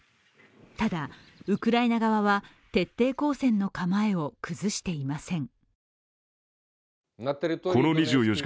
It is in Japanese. ただ、ウクライナ側は徹底抗戦の構えを崩していません。